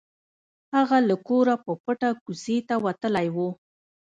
هغه له کوره په پټه کوڅې ته وتلی و